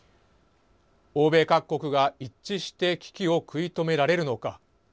欧米各国が一致して危機を食い止められるのか。